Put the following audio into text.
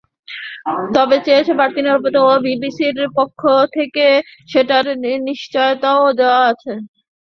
তবে চেয়েছে বাড়তি নিরাপত্তা এবং বিসিবির পক্ষ থেকে সেটার নিশ্চয়তাও দেওয়া আছে।